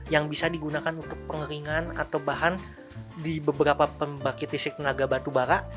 yang bisa digunakan untuk pengeringan atau bahan di beberapa pembangkit listrik tenaga batubara